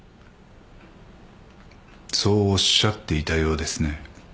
そうおっしゃっていたようですね。